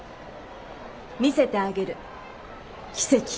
見せてあげる奇跡。